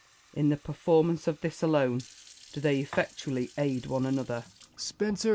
In the performance of this alone do they effectually aid one another. Essex. Spenser